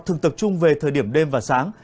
thường tập trung về thời điểm đêm và sáng